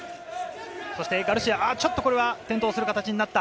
ガルシア、ちょっとこれは転倒する形になった。